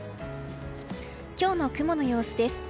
今日の雲の様子です。